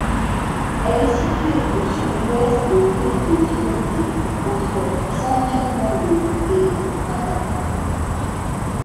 Elle est située au sud-ouest de l'île de Trinité entre San Fernando et Pointe-à-Pierre.